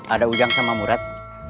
ada ujang sama murad